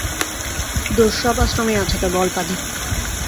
দোষ সব আশ্রমেই আছে, তবে অল্পাধিক।